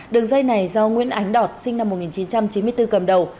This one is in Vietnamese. đường dây này do nguyễn ánh đọt sinh năm một nghìn chín trăm chín mươi bốn cầm đầu